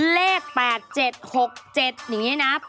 เลข๘๗๖๗อย่างนี้นะ